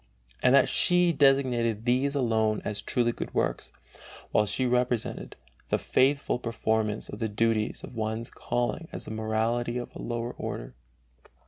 and that she designated these alone as truly good works, while she represented the faithful performance of the duties of one's calling as a morality of a lower order.